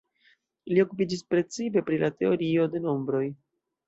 Li okupiĝis precipe pri la teorio de nombroj.